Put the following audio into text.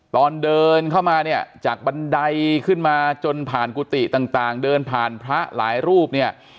ตอนเดินเข้ามาเนี่ยจากบันไดขึ้นมาจนผ่านกุฏิต่างเดินผ่านพระหลายรูปเนี่ย